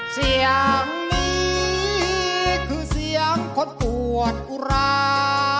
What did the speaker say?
เสียงนี้คือเสียงคนอวดอุรา